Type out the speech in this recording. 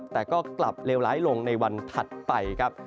แต่ก็กลับเลวร้ายลงในวันถัดไปครับ